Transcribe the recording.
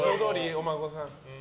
お孫さん。